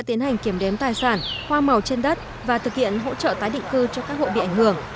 tiến hành kiểm đếm tài sản hoa màu trên đất và thực hiện hỗ trợ tái định cư cho các hội bị ảnh hưởng